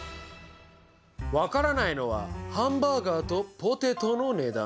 分からないのはハンバーガーとポテトの値段。